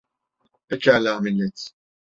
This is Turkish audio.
Pekala millet.